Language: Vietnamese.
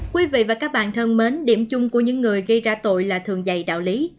quý vị và các bạn thân mến điểm chung của những người gây ra tội là thường dày đạo lý